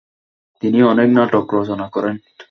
তিনি অনেক নাটক রচনা করেন।